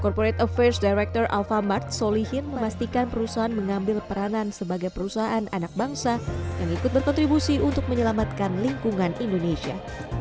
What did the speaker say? corporate affairs director alfamart solihin memastikan perusahaan mengambil peranan sebagai perusahaan anak bangsa yang ikut berkontribusi untuk menyelamatkan lingkungan indonesia